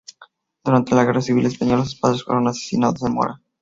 Durante la guerra civil española sus padres fueron asesinados en Mora.